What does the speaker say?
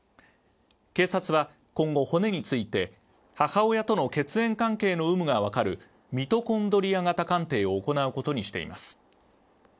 警察は今後、骨について母親との血縁関係の有無が分かるミトコンドリア型鑑定を行うことにしています。